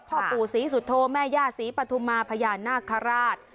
พ่อปู่ศรีสุโธแม่ย่าศรีปฐุมาพญานาคาราช